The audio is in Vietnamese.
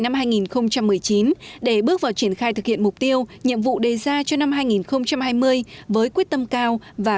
năm hai nghìn một mươi chín để bước vào triển khai thực hiện mục tiêu nhiệm vụ đề ra cho năm hai nghìn hai mươi với quyết tâm cao và